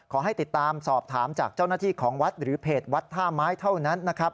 ขอให้ติดตามสอบถามจากเจ้าหน้าที่ของวัดหรือเพจวัดท่าไม้เท่านั้นนะครับ